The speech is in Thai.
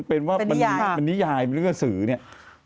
เป็นว่าเป็นนิยายเรื่องสื่อเนี่ย